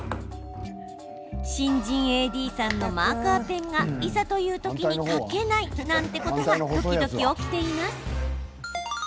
新人ＡＤさんのマーカーペンがいざという時に書けないなんてことが時々、起きています。